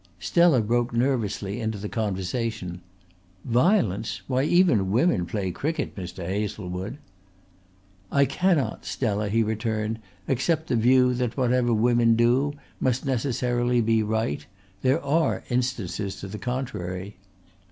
Stella broke nervously into the conversation. "Violence? Why even women play cricket, Mr. Hazlewood." "I cannot, Stella," he returned, "accept the view that whatever women do must necessarily be right. There are instances to the contrary."